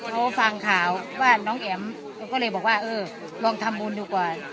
เขาฟังข่าวว่าน้องแอ๋มเขาก็เลยบอกว่าเออลองทำบุญดีกว่า